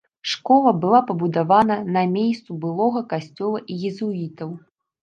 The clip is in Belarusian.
Школа была пабудавана на мейсцу былога касцёла езуітаў.